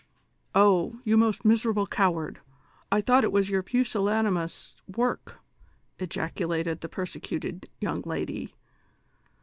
" Oh ! you most miserable coward, I thought it was your pusillanimous work," ejaculated the persecuted young lady.